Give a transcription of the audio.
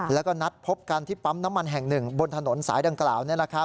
แล้วก็นัดพบกันที่ปั๊มน้ำมันแห่งหนึ่งบนถนนสายดังกล่าว